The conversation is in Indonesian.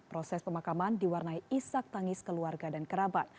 proses pemakaman diwarnai isak tangis keluarga dan kerabat